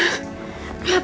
kenapa dia masak